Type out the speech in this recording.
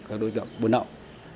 các đối tượng buôn nộng